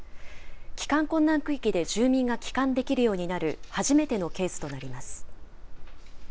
帰還困難区域で住民が帰還できるようになる初めてのケースとなります。